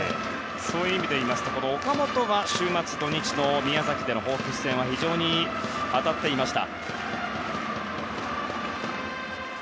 そういう意味でいうと岡本は週末、土日の宮崎でのホークス戦は非常に当たっていました。